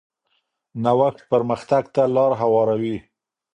نوښت پرمختګ ته لار هواروي.